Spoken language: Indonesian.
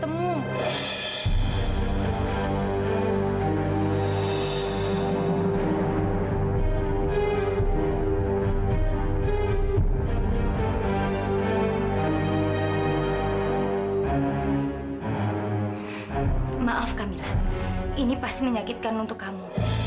maaf camilla ini pasti menyakitkan untuk kamu